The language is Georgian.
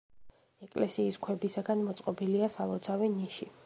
ეკლესიის ქვებისაგან მოწყობილია სალოცავი ნიში.